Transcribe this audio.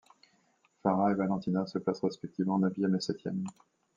Farrah et Valentina se placent respectivement neuvième et septième.